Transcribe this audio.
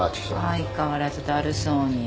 相変わらずだるそうに。